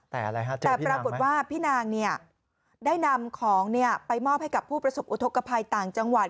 แต่อะไรฮะแต่ปรากฏว่าพี่นางได้นำของไปมอบให้กับผู้ประสบอุทธกภัยต่างจังหวัด